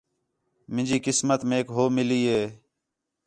مینجی قسمت میک ہو مِلی ہے